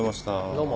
どうも。